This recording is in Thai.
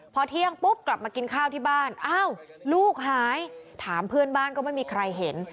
พอเที่ยงปุ๊บกลับมากินข้าวที่บ้านอ้าวลูกหายถามเพื่อนบ้านก็ไม่มีใครเห็น